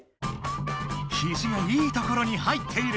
ひじがいいところに入っている！